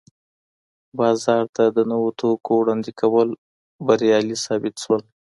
بازار ته د نویو توکو وړاندې کول بریالي ثابت سول.